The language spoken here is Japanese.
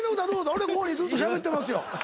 俺ここでずっとしゃべってますよ。